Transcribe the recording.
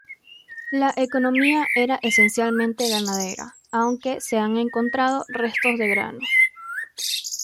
La economía era esencialmente ganadera, aunque se han encontrado restos de grano.